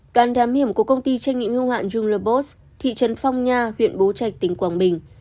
đoàn đám hiểm của công ty tranh nghiệm hương hoạn junglerbos thị trấn phong nha huyện bố trạch tỉnh quảng bình